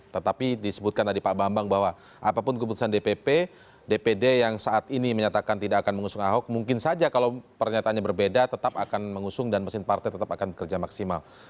tetapi disebutkan tadi pak bambang bahwa apapun keputusan dpp dpd yang saat ini menyatakan tidak akan mengusung ahok mungkin saja kalau pernyataannya berbeda tetap akan mengusung dan mesin partai tetap akan bekerja maksimal